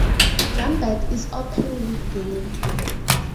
Lambert is openly gay.